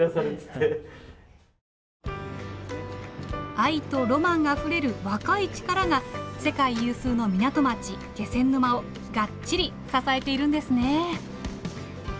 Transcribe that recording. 愛とロマンあふれる若い力が世界有数の港町気仙沼をがっちり支えているんですね。